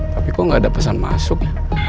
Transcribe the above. tapi kok gak ada pesan masuk